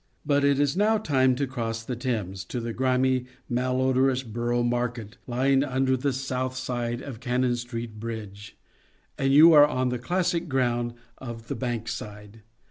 But it is now time to cross the Thames to the grimy, malodorous Borough Market, lying under the south side of Cannon Street bridge, and you are on the classic ground of The Bankside.